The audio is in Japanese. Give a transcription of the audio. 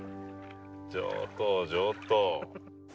上等上等！